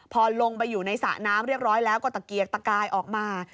พอลงไปอยู่ในสระน้ำเรียบร้อยแล้วก็ตะเกียกตะกายออกมา